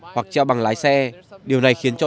hoặc treo bằng lái xe điều này khiến cho